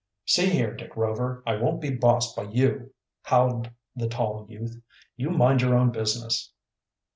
"See here, Dick Rover, I won't be bossed by you!" howled the tall youth. "You mind your own business."